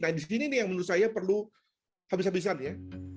nah di sini nih yang menurut saya perlu habis habisan ya